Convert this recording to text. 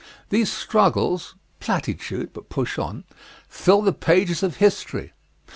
These struggles [Platitude but push on] fill the pages of history.